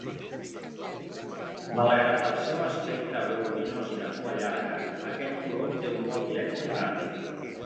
Malgrat el seu aspecte voluminós i de cua llarga, aquest colom té un vol directe i ràpid.